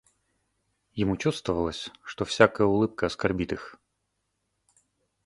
Ему чувствовалось, что всякая улыбка оскорбит их.